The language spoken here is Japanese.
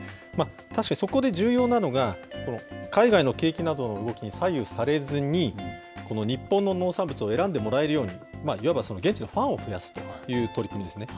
確かにそこで重要なのが、海外の景気などの動きに左右されずに、日本の農産物を選んでもらえるように、いわば現地のファンを増やすという取り組みですね。